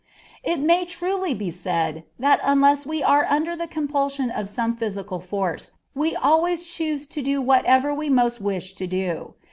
It may truly be said that unless we are under the compulsion of some physical force, we always choose to do whatever we most wish to do.